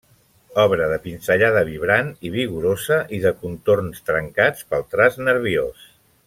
Obra de pinzellada vibrant i vigorosa, i de contorns trencats pel traç nerviós.